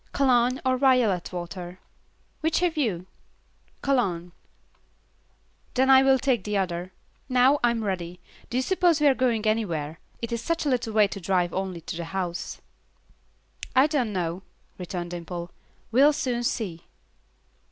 "Cologne or violet water?" "Which have you?" "Cologne." "Then I will take the other. Now I'm ready. Do you suppose we are going anywhere? It is such a little way to drive only to the house." "I don't know," returned Dimple. "We'll soon see."